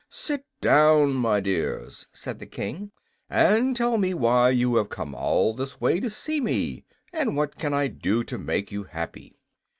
"Sit down, my dears," said the King, "and tell me why you have come all this way to see me, and what I can do to make you happy."